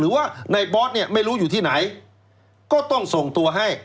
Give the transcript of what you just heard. ว่าในบอสเนี่ยไม่รู้อยู่ที่ไหนก็ต้องส่งตัวให้